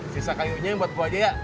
sisa kayunya yang buat buah aja ya